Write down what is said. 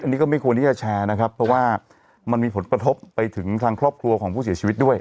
อันนี้ก็ไม่ควรที่จะแชร์นะครับเพราะว่ามันมีผลกระทบไปถึงทางครอบครัวของผู้เสียชีวิตด้วย